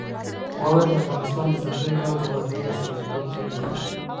واوره د افغانستان د ځانګړي ډول جغرافیې استازیتوب کوي.